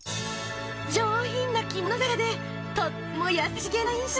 上品な着物姿でとっても優しげな印象。